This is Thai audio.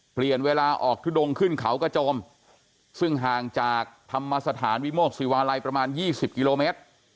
เปลี่ยนเวลาออกทุดงขึ้นเขากระโจมซึ่งห่างจากธรรมสถานวิโมกศิวาลัยประมาณ๒๐กิโลเมตร